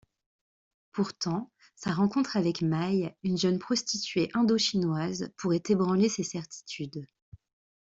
Pourtant, sa rencontre avec Maï, une jeune prostituée Indochinoise, pourrait ébranler ses certitudes.